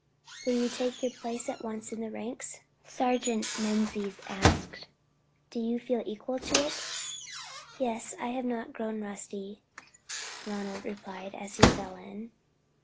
"Will you take your place at once in the ranks?" Sergeant Menzies asked. "Do you feel equal to it?" "Yes; I have not grown rusty," Ronald replied, as he fell in.